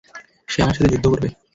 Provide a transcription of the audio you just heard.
সে আমার সাথে যুদ্ধ করবে।